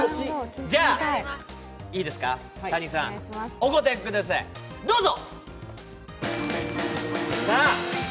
じゃあ、Ｔａｎｉさんお答えください、どうぞ。